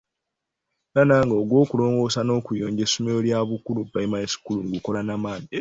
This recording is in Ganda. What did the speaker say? Era nange ogw’okulongoosa n’okuyonja essomero lya Bukulu primary school ngukola na maanyi.